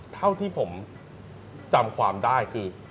เท่าที่ผมจำความได้คือ